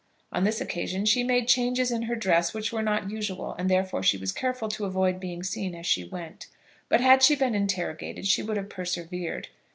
On this occasion she made changes in her dress which were not usual, and therefore she was careful to avoid being seen as she went; but had she been interrogated she would have persevered.